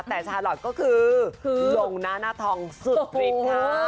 แต่ชาลอทก็คือลงหน้าหน้าทองสุดฤทธิ์ค่ะ